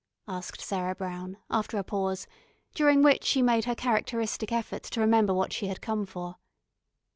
asked Sarah Brown, after a pause, during which she made her characteristic effort to remember what she had come for.